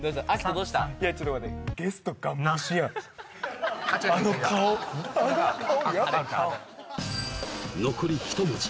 いやちょっと待って残り１文字